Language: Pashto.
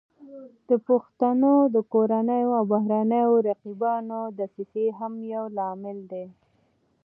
د پښتنو د کورنیو او بهرنیو رقیبانو دسیسې هم یو لامل دی